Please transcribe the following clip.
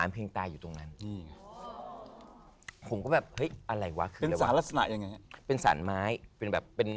เพียงตายอยู่ตรงนั้นสิยงของก็แบบเฮ้ยอะไรวะจะว่านะอย่างนี้เป็นสารไหมเป็นแบบเป็น